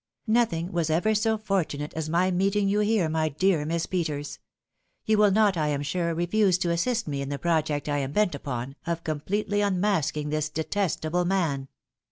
"Nothing was ever so for tunate as my meeting you here, my dear Miss Peters. You will not, I am sure, refuse to assist me in the project I am bent upon, of completely unmasking this detestable man.